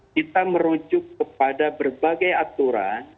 kita merujuk kepada berbagai aturan